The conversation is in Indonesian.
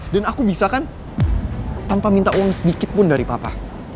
dan aku bisa kan tanpa minta uang sedikit pun dari papa